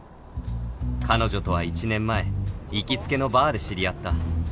彼女とは１年前行きつけのバーで知り合った